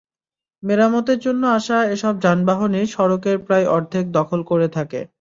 মেরামতের জন্য আসা এসব যানবাহনই সড়কের প্রায় অর্ধেক দখল করে থাকে।